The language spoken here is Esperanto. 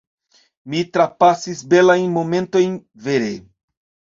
mi trapasis belajn momentojn, vere!